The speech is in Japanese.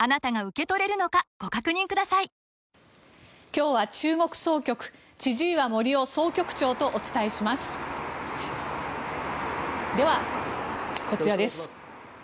今日は中国総局千々岩森生総局長とお伝えします。